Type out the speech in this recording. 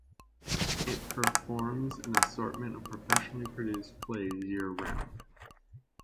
It performs an assortment of professionally produced plays year-round.